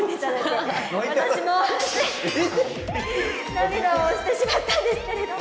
涙をしてしまったんですけれども。